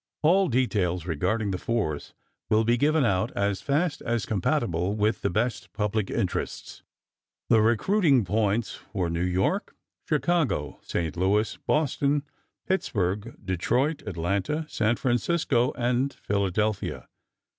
All details regarding the force will be given out as fast as compatible with the best public interests." The recruiting points were New York, Chicago, St. Louis, Boston, Pittsburgh, Detroit, Atlanta, San Francisco, and Philadelphia.